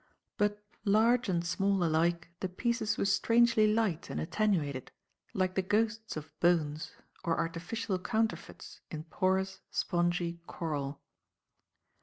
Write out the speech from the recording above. But, large and small alike, the pieces were strangely light and attenuated, like the ghosts of bones or artificial counterfeits in porous, spongy coral.